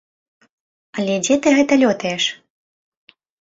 Але дзе ты гэта лётаеш?